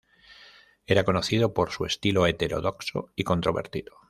Era conocido por su estilo heterodoxo y controvertido.